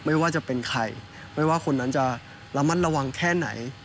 ไม่ว่าจะเป็นใครไม่ว่าคนนั้นจะระมัดระวังแค่ไหน